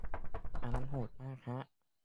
อันนั้นโหดมากฮะ